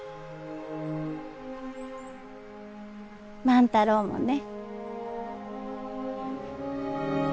万太郎もね。